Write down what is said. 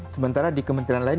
sementara di kementerian lain